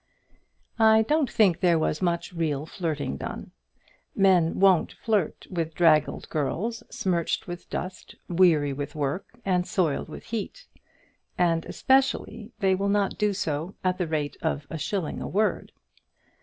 I don't think there was much real flirting done. Men won't flirt with draggled girls, smirched with dust, weary with work, and soiled with heat; and especially they will not do so at the rate of a shilling a word.